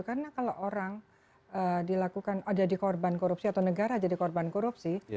karena kalau orang dilakukan jadi korban korupsi atau negara jadi korban korupsi